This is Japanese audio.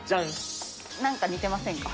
なんか似てませんか？